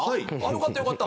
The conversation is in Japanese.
よかったよかった。